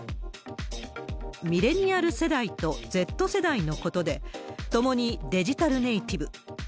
ミレニアル世代とＺ世代のことで、共にデジタルネイティブ。